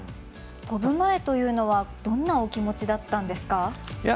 飛ぶ前というのはどんなお気持ちだったんですか？